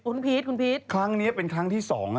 คุณพีชคุณพีชครั้งนี้เป็นครั้งที่สองฮะ